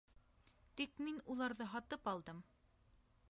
Тик мин уларҙы һатып алдым.